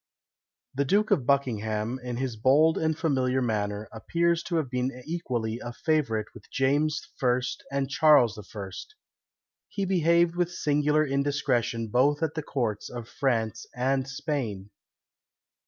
The Duke of Buckingham, in his bold and familiar manner, appears to have been equally a favourite with James I. and Charles I. He behaved with singular indiscretion both at the courts of France and Spain.